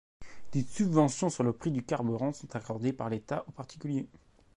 Des subventions sur le prix du carburant sont accordées par l'État aux particuliers.